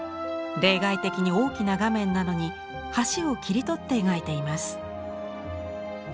例外的に大きな画面なのに橋を切り取って描いています。